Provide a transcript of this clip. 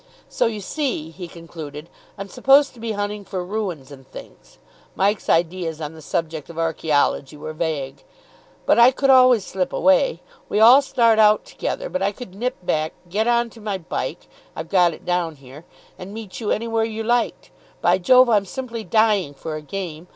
"So, you see," he concluded, "I'm supposed to be hunting for ruins and things" Mike's ideas on the subject of archaeology were vague "but I could always slip away. We all start out together, but I could nip back, get on to my bike I've got it down here and meet you anywhere you liked. By Jove, I'm simply dying for a game.